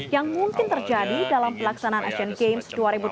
yang mungkin terjadi dalam pelaksanaan asian games dua ribu delapan belas